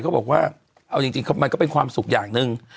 ก็บอกว่าเอาจริงมันก็เป็นความสุขอย่างหนึ่ง